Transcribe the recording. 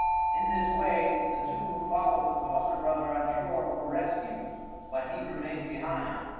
In this way the two who followed the foster brother on shore were rescued, but he remained behind.